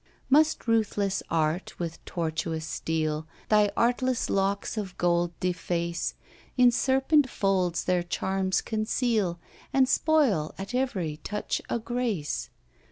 Must ruthless art, with tortuous steel, Thy artless locks of gold deface, In serpent folds their charms conceal, And spoil, at every touch, a grace.